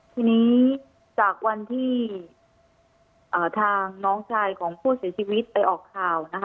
ทีนี้จากวันที่ทางน้องชายของผู้เสียชีวิตไปออกข่าว